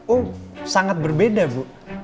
oh sangat berbeda bu